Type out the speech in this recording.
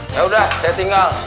ya udah saya tinggal